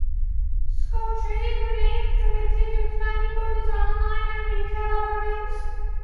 Scottrade remained committed to expanding both its online and retail offerings.